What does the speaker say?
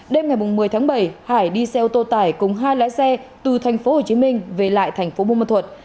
đêm ngày một mươi tháng bảy hải đi xe ô tô tải cùng hai lái xe từ thành phố hồ chí minh về lại thành phố buôn ma thuật